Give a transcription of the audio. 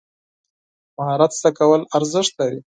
مهارت زده کول ارزښت لري.